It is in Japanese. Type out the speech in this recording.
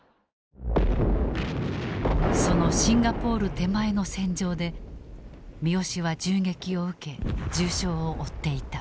そのシンガポール手前の戦場で三好は銃撃を受け重傷を負っていた。